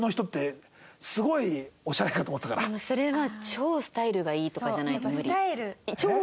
それは超スタイルがいいとかじゃないと無理。